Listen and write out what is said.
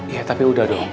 iya tapi udah dong